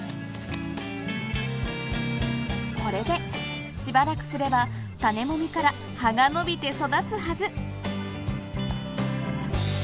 これでしばらくすれば種もみから葉が伸びて育つはず！